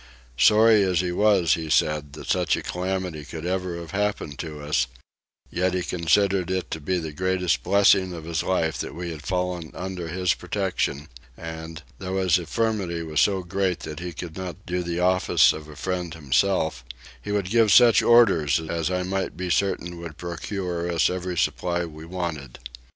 Sorry as he was, he said, that such a calamity could ever have happened to us, yet he considered it as the greatest blessing of his life that we had fallen under his protection and, though his infirmity was so great that he could not do the office of a friend himself, he would give such orders as I might be certain would procure us every supply we wanted.